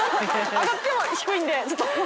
上がっても痛いんですよ！